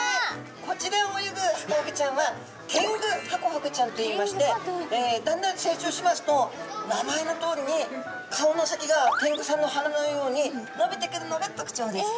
こちらを泳ぐハコフグちゃんはテングハコフグちゃんといいましてだんだん成長しますと名前のとおりに顔の先がテングさんの鼻のようにのびてくるのが特徴です。